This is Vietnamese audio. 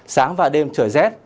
sáng và đêm trời rét